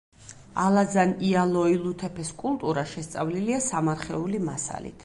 ალაზან-იალოილუთეფეს კულტურა შესწავლილია სამარხეული მასალით.